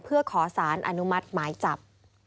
เพื่อขอสารอนุมัติหมายจับ